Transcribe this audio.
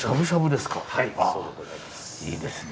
いいですね。